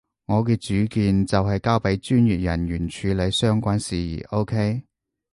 我嘅主見就係交畀專業人員處理相關事宜，OK？